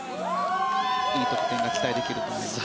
いい得点が期待できると思います。